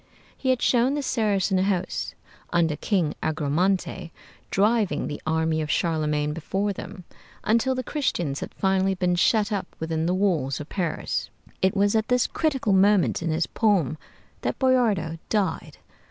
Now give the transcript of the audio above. He had shown the Saracen host under King Agramante driving the army of Charlemagne before them, until the Christians had finally been shut up within the walls of Paris. It was at this critical moment in his poem that Boiardo died.